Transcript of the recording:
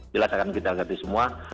jelas akan kita hadapi semua